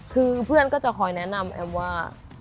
คือเพื่อนก็จะคอยแนะนำแอมว่า